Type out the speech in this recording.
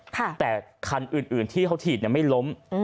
แต่คันอื่นที่เขาถีบไม่ล้ม